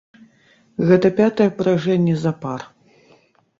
Гэта пятае паражэнне запар.